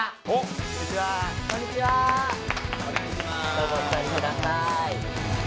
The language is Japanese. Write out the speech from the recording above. どうぞお座りください。